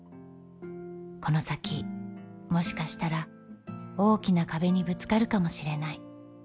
この先もしかしたら大きな壁にぶつかるかもしれない。